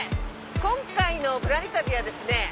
今回の『ぶらり旅』はですね